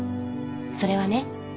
それはね